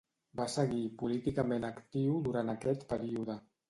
Va seguir políticament actiu durant aquest període.